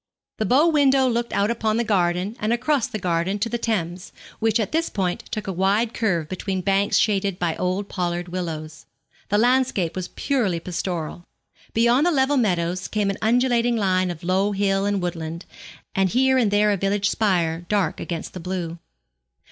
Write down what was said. The bow window looked out upon the garden and across the garden to the Thames, which at this point took a wide curve between banks shaded by old pollard willows. The landscape was purely pastoral. Beyond the level meadows came an undulating line of low hill and woodland, with here and there a village spire dark against the blue.